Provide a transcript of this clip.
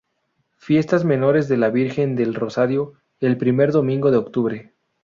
Fiestas menores de la Virgen del Rosario, el primer domingo de octubre.